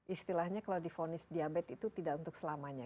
istilahnya kalau difonis diabetes itu tidak untuk selamanya